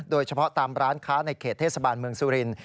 โดยเฉพาะตามร้านค้าในเขตเทศบาลเมืองสุรินทร์